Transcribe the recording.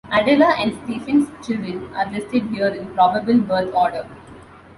Adela and Stephen's children are listed here in probable birth order.